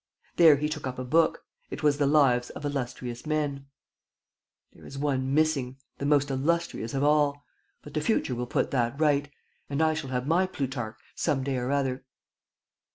There he took up a book. It was The Lives of Illustrious Men. "There is one missing: the most illustrious of all. But the future will put that right; and I shall have my Plutarch some day or other."